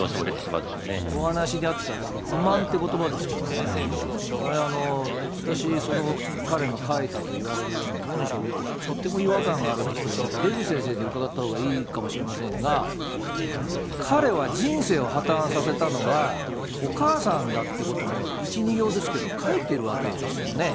今お話にあった不満ということばですけれども、私、その彼の書いたといわれるような文章を見て、とても違和感があるんですけれども、出口先生に伺ったほうがいいかもしれませんが、彼は人生を破綻させたのがお母さんだってことも１、２行ですけども、書いてるわけですよね。